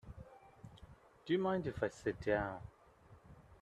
Do you mind if I sit down?